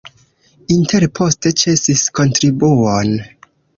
Intel poste ĉesis kontribuon.